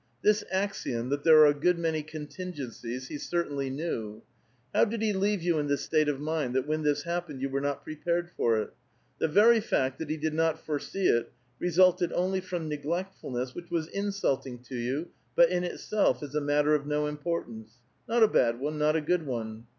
This axiom, that there are a good many contingencies, he certainly knew. How clid he leave you in this state of mind, that when this hap pened you were not prepared for it? The very fact that he clid not foresee it resulted only from neglectfulness which was insulting to you, but in itself is a matter of no importance, not a bad one, not a good one.